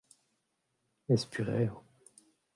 ez purev.